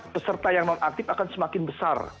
peserta yang nonaktif akan semakin besar